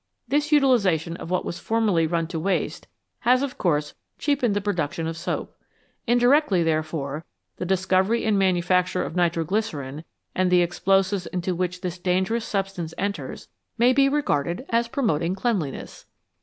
This utilisation of what was formerly run to waste has, of course, cheapened the production of soap. Indirectly, therefore, the discovery and manufac ture of nitro glycerine and the explosives into which this dangerous substance enters may be regarded as promoting cleanliness.